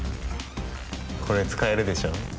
これ使えるでしょう？